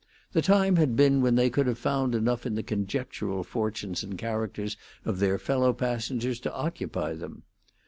The time had been when they could have found enough in the conjectural fortunes and characters of their fellow passengers to occupy them.